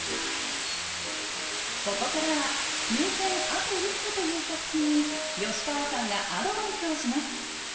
ここからは入選あと一歩という作品に吉川さんがアドバイスをします